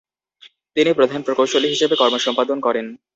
তিনি প্রধান প্রকৌশলী হিসেবে কর্ম সম্পাদন করেন।